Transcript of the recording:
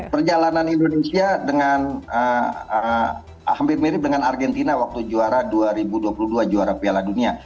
perjalanan indonesia dengan hampir mirip dengan argentina waktu juara dua ribu dua puluh dua juara piala dunia